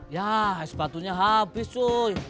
yah es batunya habis cuy